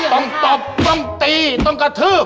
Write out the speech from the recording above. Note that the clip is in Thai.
ต้องตบต้องตีต้องกะทือบ